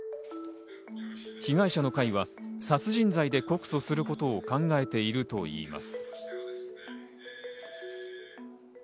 被害者の会は、殺人罪で告訴することを考えているといいます。